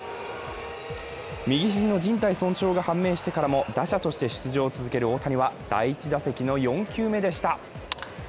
右肘のじん帯損傷が判明してからも打者として出場を続ける大谷は第１打席の４球目でした。